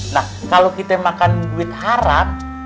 nah kalau kita makan duit haram